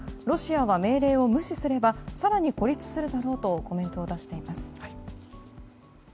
ロシアは命令を無視すれば更に孤立するだろうとコメントを出しています。